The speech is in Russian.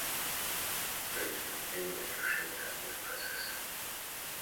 Произойдет временное нарушение работы процесса